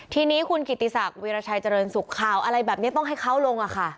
ทีนี้คุณกิติศักดิราชัยเจริญสุขข่าวอะไรแบบนี้ต้องให้เขาลงอะค่ะ